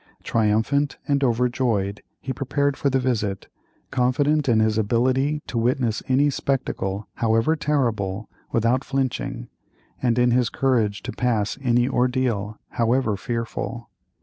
Triumphant and overjoyed, he prepared for the visit, confident in his ability to witness any spectacle, however terrible, without flinching, and in his courage to pass any ordeal, however fearful.